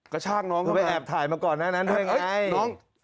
กระชากน้องเข้ามาไปแอบถ่ายมาก่อนนะน้อง